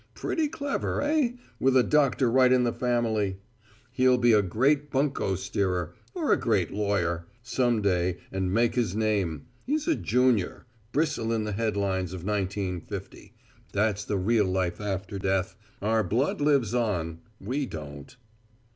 Pretty clever, eh, with a doctor right in the family? He'll be a great bunco steerer or a great lawyer some day and make his name he's a junior bristle in the headlines of 1950. That's the real life after death our blood lives on, we don't."